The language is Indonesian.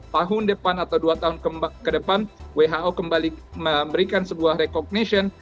tahun depan atau dua tahun ke depan who kembali memberikan sebuah recognition